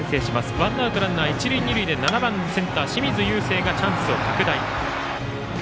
ワンアウト、ランナー、一塁二塁７番センター、清水友惺がチャンスを拡大。